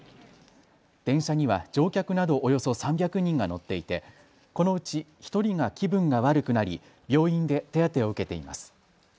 電車には乗客などおよそ３００人が乗っていて、このうち１人が気分が悪くなり病院で手当てを受けています。